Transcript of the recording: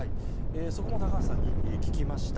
そこも高橋さんに聞きました。